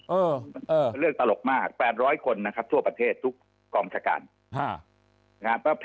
เออเออเลือกตลกมากแปดร้อยคนนะครับทั่วประเทศทุกกองชการฮ่า